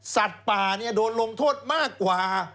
สัตว์ป่าโดนลงโทษมากกว่า